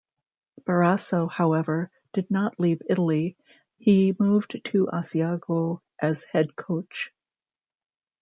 Barrasso, however, did not leave Italy: he moved to Asiago as head coach.